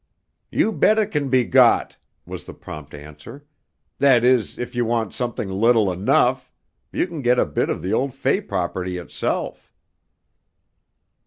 "You bet it can be got!" was the prompt answer. "That is, if you want something little enough, you can get a bit of the old Fay property itself."